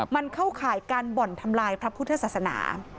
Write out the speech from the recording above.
มันเข้าข่ายการบ่อนทำลายพระพุทธศาสนา